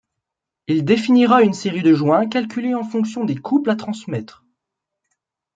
Il définira une série de joints calculés en fonction des couples à transmettre.